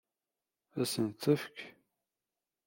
Ad sent-t-tefk?